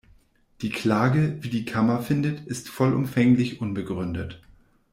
Die Klage, wie die Kammer findet, ist vollumfänglich unbegründet.